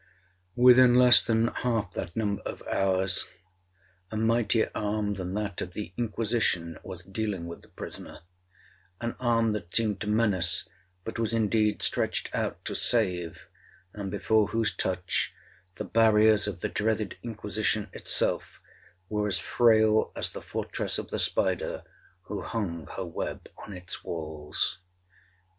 'Within less than half that number of hours, a mightier arm than that of the Inquisition was dealing with the prisoner—an arm that seemed to menace, but was indeed stretched out to save, and before whose touch the barriers of the dreaded Inquisition itself were as frail as the fortress of the spider who hung her web on its walls.